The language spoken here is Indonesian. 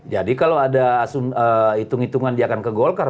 kalau ada hitung hitungan dia akan ke golkar